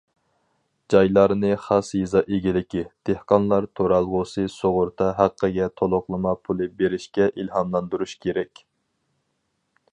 جايلارنى خاس يېزا ئىگىلىكى، دېھقانلار تۇرالغۇسى سۇغۇرتا ھەققىگە تولۇقلىما پۇلى بېرىشكە ئىلھاملاندۇرۇش كېرەك.